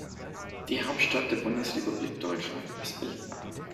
Die Hauptstadt der Bundesrepublik Deutschland ist Berlin